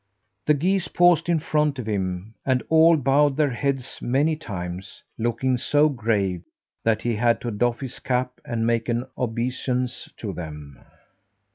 The geese paused in front of him, and all bowed their heads many times, looking so grave that he had to doff his cap and make an obeisance to them.